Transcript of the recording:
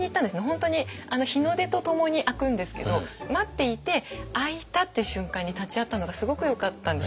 本当に日の出とともに開くんですけど待っていて開いたっていう瞬間に立ち会ったのがすごくよかったんです。